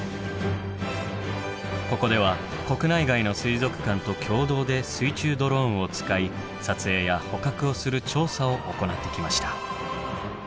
ここでは国内外の水族館と共同で水中ドローンを使い撮影や捕獲をする調査を行ってきました。